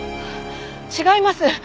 違います！